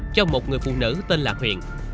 cho một người phụ nữ tên là huyền